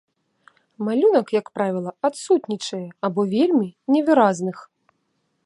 Малюнак, як правіла, адсутнічае або вельмі невыразных.